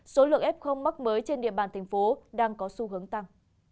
số lượng f mắc mới trên địa bàn tp hcm đang có xu hướng tăng